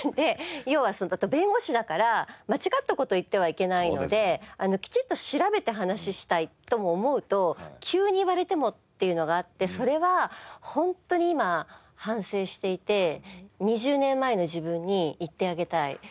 要は弁護士だから間違った事を言ってはいけないのできちっと調べて話をしたいとも思うと急に言われてもっていうのがあってそれはホントに今反省していて２０年前の自分に言ってあげたい。